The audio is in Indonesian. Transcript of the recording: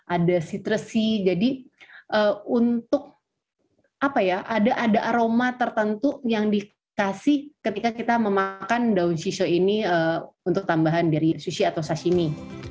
ada sitresi jadi ada aroma tertentu yang dikasih ketika kita memakan daun shisho ini untuk tambahan dari sushi atau sashimi